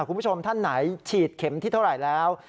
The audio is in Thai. คุณผู้ชมท่านไหนฉีดเข็มที่เท่าไหร่แล้ว